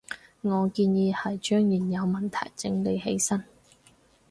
我建議係將現有問題整理起身